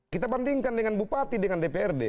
kita bandingkan dengan bupati dengan dprd